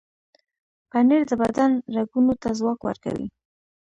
پنېر د بدن رګونو ته ځواک ورکوي.